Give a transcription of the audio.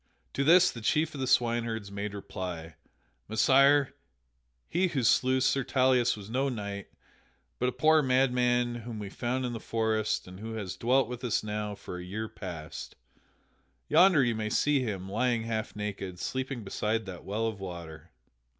To this the chief of the swineherds made reply: "Messire, he who slew Sir Tauleas was no knight, but a poor madman whom we found in the forest and who has dwelt with us now for a year past. Yonder you may see him, lying half naked, sleeping beside that well of water."